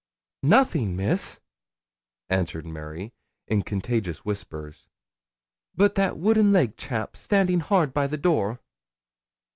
'Nothing, Miss,' answered Mary, in contagious whispers, 'but that wooden legged chap, standin' hard by the door.'